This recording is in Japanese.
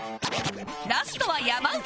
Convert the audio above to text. ラストは山内